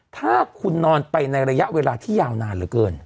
ถ้าคุณนอนไปในระยะเวลาที่ยาวนานเหลือเกิน